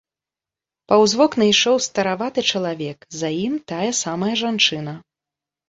Паўз вокны ішоў стараваты чалавек, за ім тая самая жанчына.